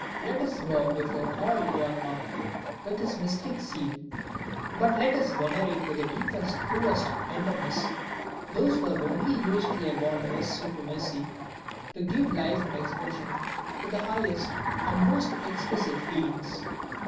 Let us bow before all who are marked with this mystic seal; but let us venerate with the deepest, truest tenderness those who have only used their wondrous supremacy to give life and expression to the highest and most exquisite feelings!